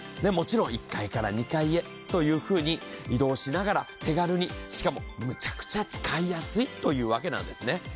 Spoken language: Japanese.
もちろん１階から２階へというふうに移動しながら手軽にしかもむちゃくちゃ使いやすいというわけなんですね。